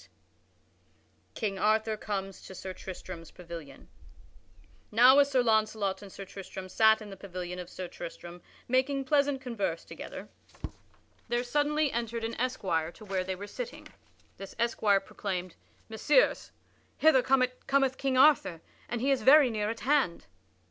[Sidenote: King Arthur comes to Sir Tristram's pavilion] Now, as Sir Launcelot and Sir Tristram sat in the pavilion of Sir Tristram making pleasant converse together, there suddenly entered an esquire to where they were sitting. This esquire proclaimed: "Messires, hither cometh King Arthur, and he is very near at hand."